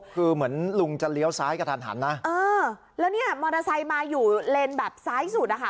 คือเหมือนลุงจะเลี้ยวซ้ายกระทันหันนะเออแล้วเนี่ยมอเตอร์ไซค์มาอยู่เลนแบบซ้ายสุดนะคะ